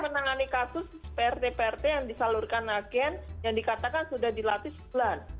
jadi menangani kasus prt prt yang disalurkan agen yang dikatakan sudah dilatih sebulan